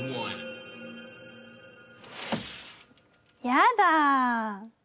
やだ。